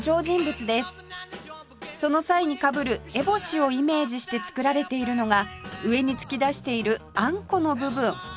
その際にかぶる烏帽子をイメージして作られているのが上に突き出しているあんこの部分